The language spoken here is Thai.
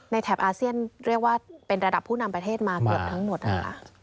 แถบอาเซียนเรียกว่าเป็นระดับผู้นำประเทศมาเกือบทั้งหมดนะคะ